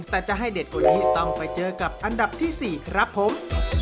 แต่จะให้เด็ดกว่านี้ต้องไปเจอกับอันดับที่๔ครับผม